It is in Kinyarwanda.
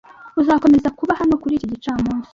Uzakomeza kuba hano kuri iki gicamunsi?